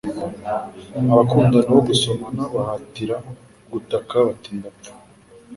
Abakundana uwo gusomana bahatira gutaka bati Ndapfa